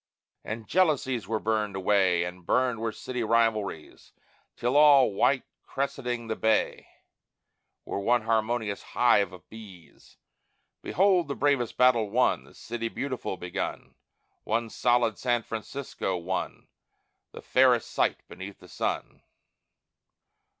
And jealousies were burned away, And burned were city rivalries, Till all, white crescenting the bay, Were one harmonious hive of bees. Behold the bravest battle won! The City Beautiful begun: One solid San Francisco, one, The fairest sight beneath the sun.